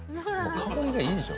香りがいいでしょ